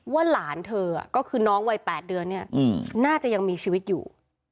ว่าหลานเธอก็คือน้องวัย๘เดือนเนี่ยน่าจะยังมีชีวิตอยู่